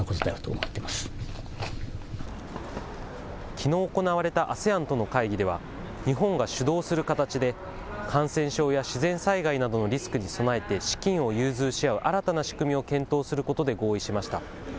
きのう行われたＡＳＥＡＮとの会議では、日本が主導する形で、感染症や自然災害などのリスクに備えて資金を融通し合う新たな仕組みを検討することで合意しました。